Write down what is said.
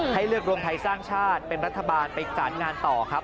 ให้เลือกรวมไทยสร้างชาติเป็นรัฐบาลไปสารงานต่อครับ